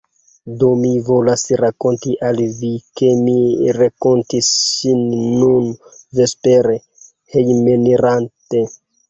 Do mi volas rakonti al Vi, ke mi renkontis ŝin nun vespere, hejmenirante.